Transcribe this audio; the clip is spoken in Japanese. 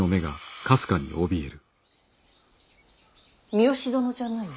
三善殿じゃないの？